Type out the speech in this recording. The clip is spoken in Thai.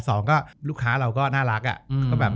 สองก็ลูกค้าเราก็น่ารักอะ